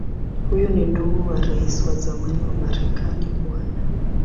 Huyu ni ndugu wa Rais wa zamani wa Marekani Bw.